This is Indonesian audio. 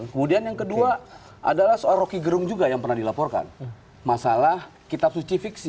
kemudian yang kedua adalah soal roky gerung juga yang pernah dilaporkan masalah kitab suci fiksi